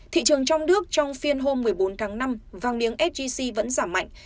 thị trường trong nước trong phiên hôm một mươi bốn tháng năm vàng miếng sgc vẫn giảm mạnh